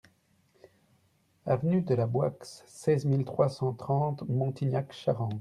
Avenue de la Boixe, seize mille trois cent trente Montignac-Charente